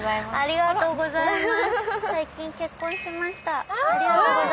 ありがとうございます。